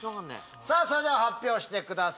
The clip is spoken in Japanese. それでは発表してください。